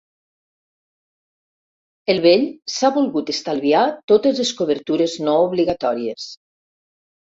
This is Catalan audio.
El vell s'ha volgut estalviat totes les cobertures no obligatòries.